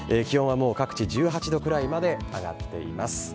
気温はもう各地１８度くらいまで上がっています。